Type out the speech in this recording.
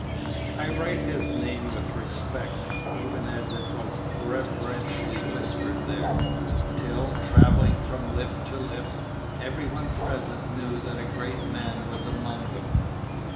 I write his name with respect, even as it was reverentially whispered there, till, travelling from lip to lip, every one present knew that a great man was among them.